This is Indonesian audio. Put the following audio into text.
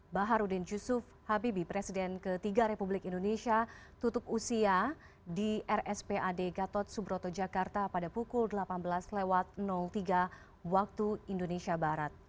baharudin yusuf habibie presiden ke tiga republik indonesia tutup usia di rspad gatot subroto jakarta pada pukul delapan belas tiga wib